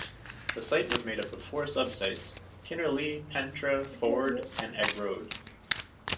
The site was made up of four sub-sites: Kinnerley, Pentre, Ford, and Argoed.